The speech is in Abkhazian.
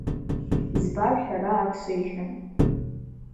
Избар ҳәара агсыжьрым…